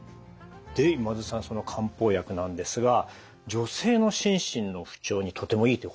で今津さんその漢方薬なんですが女性の心身の不調にとてもいいということなんですね？